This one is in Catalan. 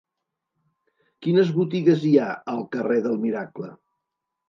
Quines botigues hi ha al carrer del Miracle?